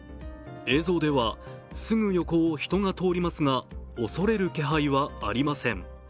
映像では、すぐ横を人が通りますが恐れる気配はありません。